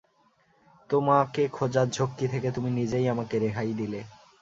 তোমাকে খোঁজার ঝক্কি থেকে তুমি নিজেই আমাকে রেহাই দিলে।